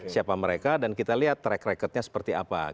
siapa mereka dan kita lihat track recordnya seperti apa